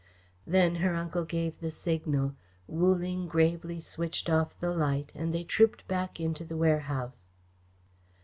Then her uncle gave the signal. Wu Ling gravely switched off the light and they trooped back into the warehouse.